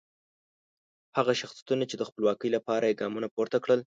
هغه شخصیتونه چې د خپلواکۍ لپاره یې ګامونه پورته کړل.